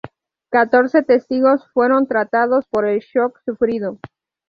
Catorce testigos fueron tratados por el shock sufrido.